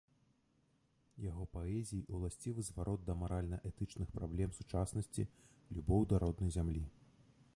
Яго паэзіі ўласцівы зварот да маральна-этычных праблем сучаснасці, любоў да роднай зямлі.